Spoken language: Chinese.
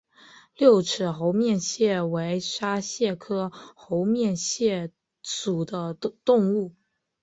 六齿猴面蟹为沙蟹科猴面蟹属的动物。